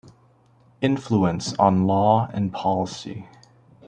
Influence on Law and Policy.